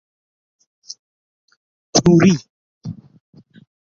توری